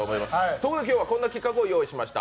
そこで今日はこんな企画を用意しました。